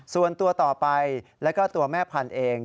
ส่วนตัวต่อไปแล้วก็ตัวแม่พันธุ์เอง